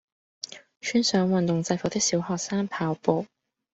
穿上運動制服的小學生跑步